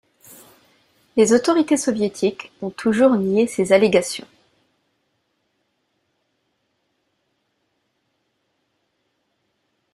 Les autorités soviétiques ont toujours nié ces allégations.